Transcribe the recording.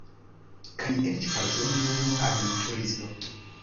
Kaj eĉ, pardonu, aventuristo.